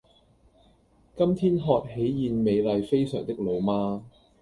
今天喝喜宴美麗非常的老媽